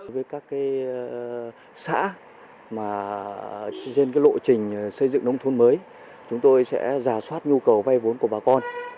với các xã trên lộ trình xây dựng nông thôn mới chúng tôi sẽ giả soát nhu cầu vay vốn của bà con